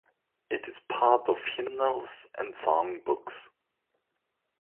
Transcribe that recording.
It is part of hymnals and songbooks.